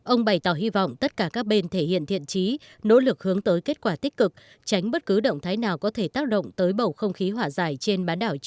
ông bày tỏ hy vọng tất cả các bên thể hiện thiện trí nỗ lực hướng tới kết quả tích cực tránh bất cứ động thái nào có thể tác động tới bầu không khí hỏa giải trên bán đảo triều tiên